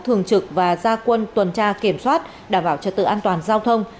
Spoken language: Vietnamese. thường trực và gia quân tuần tra kiểm soát đảm bảo trật tự an toàn giao thông